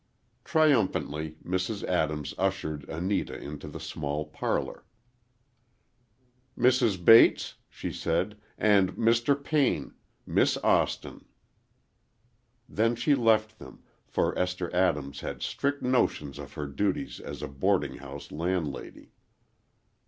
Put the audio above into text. Triumphantly, Mrs. Adams ushered Anita into the small parlor. "Mrs. Bates," she said, "and Mr. Payne,—Miss Austin." Then she left them, for Esther Adams had strict notions of her duties as a boarding house landlady.